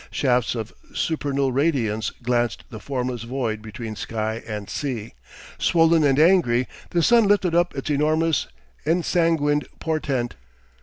Shafts of supernal radiance lanced the formless void between sky and sea. Swollen and angry, the sun lifted up its enormous, ensanguined portent.